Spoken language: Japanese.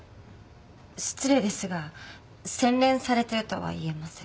失礼ですが洗練されてるとはいえません。